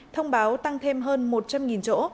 thông báo tăng thêm hơn một trăm linh chỗ